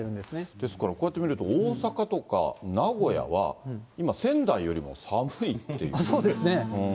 ですからこうやって見ると、大阪とか名古屋は今、そうですね。